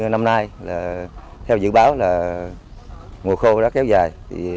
năm nay theo dự báo mùa khô đã kéo dài